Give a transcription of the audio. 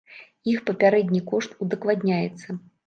Іх папярэдні кошт удакладняецца.